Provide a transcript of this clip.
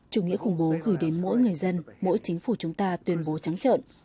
chủ nghĩa khủng bố gửi đến mỗi người dân mỗi chính phủ chúng ta tuyên bố trắng trợn